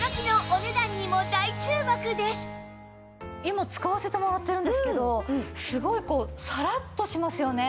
今使わせてもらってるんですけどすごいこうサラッとしますよね。